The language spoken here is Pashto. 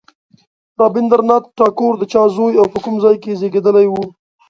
رابندر ناته ټاګور د چا زوی او په کوم ځای کې زېږېدلی و.